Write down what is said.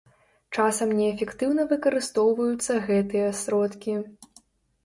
Часам неэфектыўна выкарыстоўваюцца гэтыя сродкі.